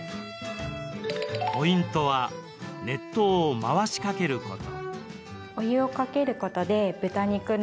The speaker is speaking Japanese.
ポイントは熱湯を回しかけること。